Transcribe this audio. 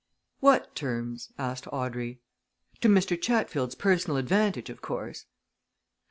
"What terms?" asked Audrey. "To Mr. Chatfield's personal advantage, of course."